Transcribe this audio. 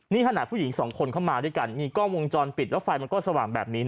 นี่ขนาดผู้หญิงสองคนเข้ามาด้วยกันมีกล้องวงจรปิดแล้วไฟมันก็สว่างแบบนี้